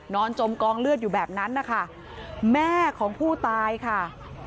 จมกองเลือดอยู่แบบนั้นนะคะแม่ของผู้ตายค่ะ